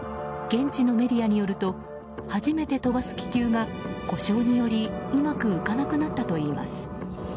現地のメディアによると初めて飛ばす気球が故障によりうまく浮かなくなったといいます。